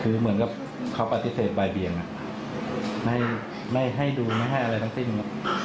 คือเหมือนกับเขาปฏิเสธบ่ายเบียงไม่ให้ดูไม่ให้อะไรทั้งสิ้นครับ